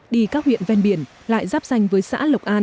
đi các huyện ven biển lại giáp danh với xã lộc an